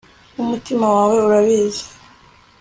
umutima wawe urabizi